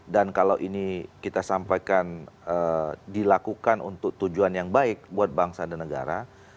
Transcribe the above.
dan kalau ini kita sampaikan dilakukan untuk tujuan yang baik buat bangsa dan negara